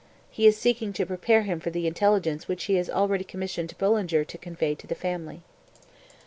He is seeking to prepare him for the intelligence which he has already commissioned Bullinger to convey to the family.)